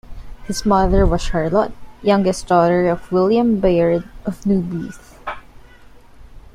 His mother was Charlotte, youngest daughter of William Baird of Newbyth.